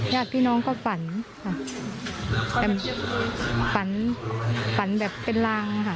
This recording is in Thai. ยากพี่น้องก็ฝันฝันแบบเป็นรางค่ะ